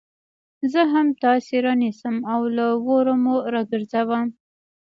زه هم تاسي رانيسم او له اوره مو راگرځوم